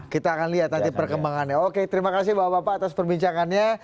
kita akan lihat nanti perkembangannya oke terima kasih bapak bapak atas perbincangannya